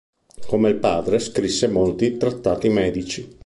Come il padre, scrisse molti trattati medici.